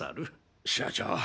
社長。